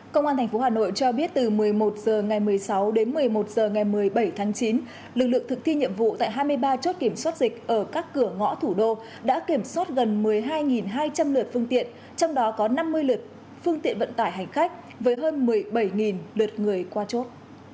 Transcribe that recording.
công an tp hà nội cho biết từ một mươi một h ngày một mươi sáu đến một mươi một h ngày một mươi bảy tháng chín lực lượng thực thi nhiệm vụ tại hai mươi ba chốt kiểm soát dịch ở các cửa ngõ thủ đô đã kiểm soát gần một mươi hai hai trăm linh lượt phương tiện trong đó có năm mươi lượt phương tiện vận tải hành khách với hơn một mươi bảy lượt người qua chốt